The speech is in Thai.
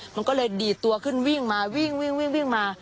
มันก็เลยดีดตัวขึ้นวิ่งมาวิ่งวิ่งมา